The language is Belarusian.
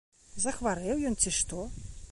Захварэў ён, ці што?